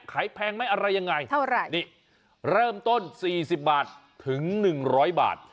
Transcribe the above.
แพงไหมอะไรยังไงเท่าไหร่นี่เริ่มต้นสี่สิบบาทถึงหนึ่งร้อยบาท